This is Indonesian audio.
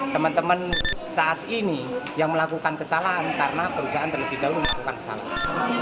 teman teman saat ini yang melakukan kesalahan karena perusahaan terlebih dahulu melakukan kesalahan